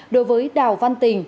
đối với đào văn tình